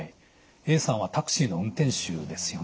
Ａさんはタクシーの運転手ですよね。